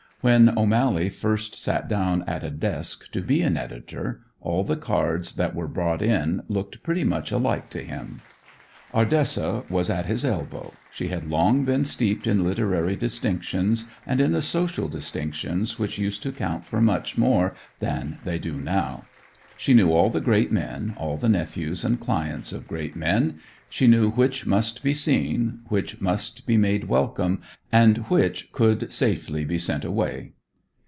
When O'Mally first sat down at a desk to be an editor, all the cards that were brought in looked pretty much alike to him. Ardessa was at his elbow. She had long been steeped in literary distinctions and in the social distinctions which used to count for much more than they do now. She knew all the great men, all the nephews and clients of great men. She knew which must be seen, which must be made welcome, and which could safely be sent away.